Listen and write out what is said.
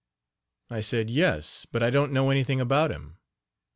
" I said, "Yes, but I don't know anything about him.